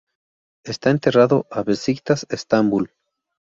Está enterrado a Beşiktaş, Estambul.